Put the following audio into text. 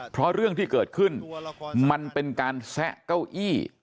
เพราะเรื่องที่เกิดขึ้นมันเป็นการแซะเก้าอี้